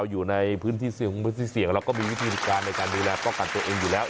อยู่ในพื้นที่เสี่ยงของพื้นที่เสี่ยงเราก็มีวิธีการในการดูแลป้องกันตัวเองอยู่แล้ว